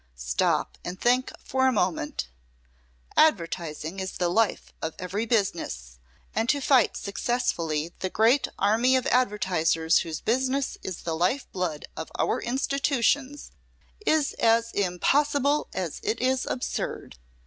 Stop and think for a moment. Advertising is the life of every business, and to fight successfully the great army of advertisers whose business is the life blood of our institutions is as impossible as it is absurd.